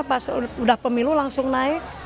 pas udah pemilu langsung naik